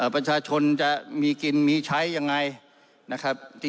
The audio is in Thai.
ประชาชนจะมีกินมีใช้อย่างไร